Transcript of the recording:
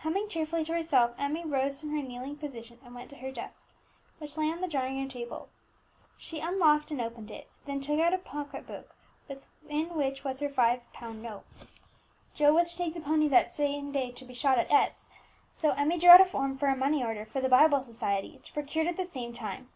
Humming cheerfully to herself, Emmie rose from her kneeling position and went to her desk, which lay on the drawing room table. She unlocked and opened it, and then took out a pocket book within which was her five pound note. Joe was to take the pony that day to be shod at S , so Emmie drew out a form for a money order for the Bible Society to be procured at the same time.